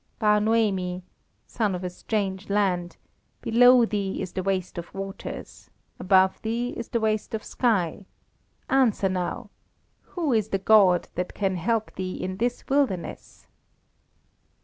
"Bar Noemi, son of a strange land, below thee is the waste of waters, above thee is the waste of sky, answer now, who is the God that can help thee in this wilderness?"